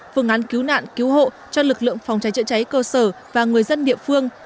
phương án cứu nạn cứu hộ cho lực lượng phòng cháy chữa cháy cơ sở và người dân địa phương